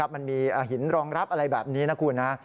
มันมีหินรองรับอะไรแบบนี้นะคุณนะ